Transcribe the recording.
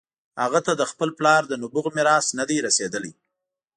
هغه د خپل پلار د نبوغ میراث نه دی رسېدلی.